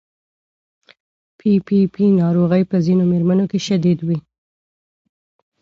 پي پي پي ناروغي په ځینو مېرمنو کې شدید وي.